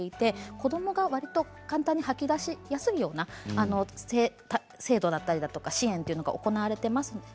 子どもが簡単に吐き出しやすいような制度だったり支援を行っています。